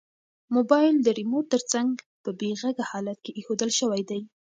موبایل د ریموټ تر څنګ په بې غږه حالت کې ایښودل شوی دی.